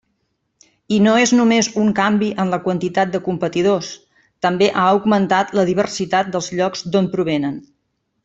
I no és només un canvi en la quantitat de competidors, també ha augmentat la diversitat dels llocs d'on provenen.